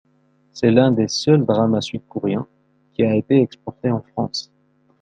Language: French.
C'est l'un des seuls drama sud-coréen qui a été exporté en France.